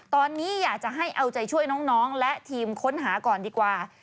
ตอนนี้อยากจะให้เอาใจช่วยน้องและทีมค้นหาก่อนดีกว่า